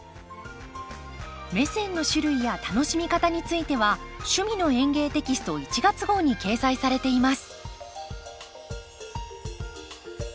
メセンの種類や楽しみ方については「趣味の園芸」テキスト１月号に掲載されています。